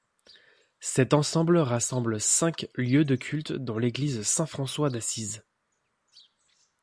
Cet ensemble rassemble cinq lieux de culte dont l'église Saint-François d'Assise.